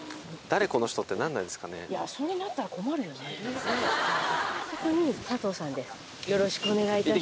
あそこに佐藤さんです